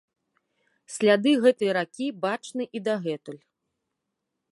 Сляды гэтай ракі бачны і дагэтуль.